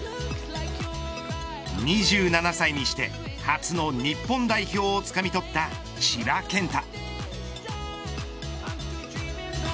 ２７歳にして初の日本代表をつかみとった千葉健太。